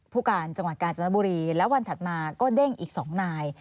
ผู้การจังหวัดกาญจนบุรีแล้ววันถัดมาก็เด้งอีก๒นาย